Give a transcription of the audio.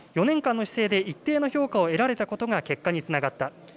４年間の市政で一定の評価を得られたことが結果につながった。